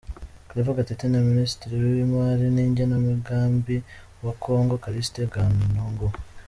Claver Gatete na Minisitiri w’Imari n’Igenamigambi wa Congo, Calixte Nganongo.